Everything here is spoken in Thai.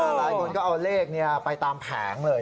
หลายคนก็เอาเลขไปตามแผงเลย